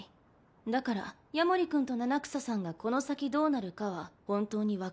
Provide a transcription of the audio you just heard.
だから夜守君と七草さんがこの先どうなるかは本当に分からない。